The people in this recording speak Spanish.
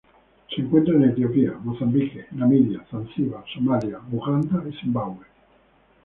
Se encuentra en Etiopía, Mozambique, Namibia, Zanzíbar, Somalia, Uganda, Zimbabue.